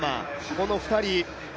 この２人。